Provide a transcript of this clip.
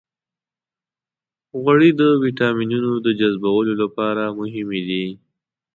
غوړې د ویټامینونو د جذبولو لپاره مهمې دي.